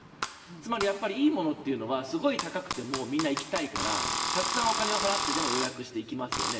つまり、いいものというのはすごい高くてもみんな行きたいからたくさんお金を払ってでも予約していきますよね。